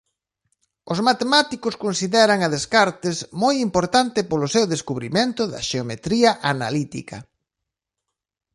Os Matemáticos consideran a Descartes moi importante polo seu descubrimento da xeometría analítica.